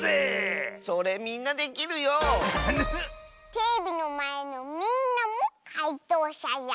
⁉テレビのまえのみんなもかいとうしゃじゃ。